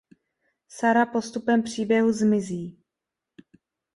Sara postupem příběhu zmizí.